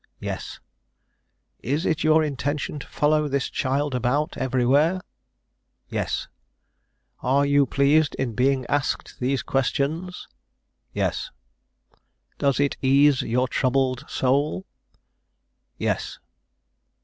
"Yes." "Is it your intention to follow this child about everywhere?" "Yes." "Are you pleased in being asked these questions?" "Yes." "Does it ease your troubled soul?" "Yes."